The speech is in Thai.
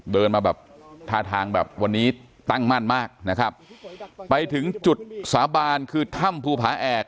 เดินมาแบบท่าทางแบบวันนี้ตั้งมั่นมากนะครับไปถึงจุดสาบานคือถ้ำภูผาแอก